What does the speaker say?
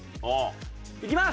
いきます！